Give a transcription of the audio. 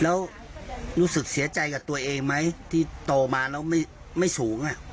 แล้วรู้สึกเสียใจกับตัวเองไหมที่โตมาแล้วไม่สูง